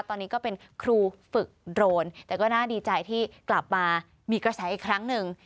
ตอนนี้ก็เป็นครูฝึกโดรนแต่ก็น่าดีใจที่กลับมามีกระแสอีกครั้งหนึ่ง